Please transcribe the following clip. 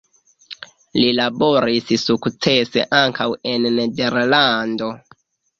Li laboris sukcese ankaŭ en Nederlando.